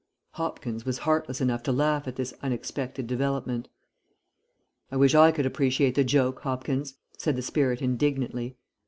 '" Hopkins was heartless enough to laugh at this unexpected development. "I wish I could appreciate the joke, Hopkins," said the spirit indignantly.